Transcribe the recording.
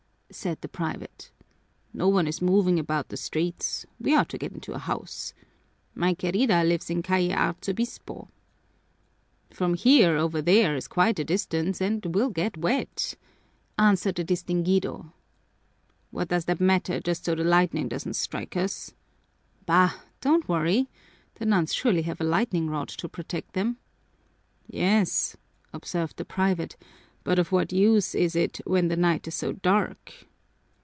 said the private. "No one is moving about the streets. We ought to get into a house. My querida lives in Calle Arzobispo." "From here over there is quite a distance and we'll get wet," answered the distinguido. "What does that matter just so the lightning doesn't strike us?" "Bah, don't worry! The nuns surely have a lightningrod to protect them." "Yes," observed the private, "but of what use is it when the night is so dark?"